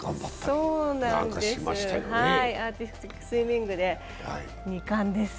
そうなんです、アーティスティックスイミングで２冠です。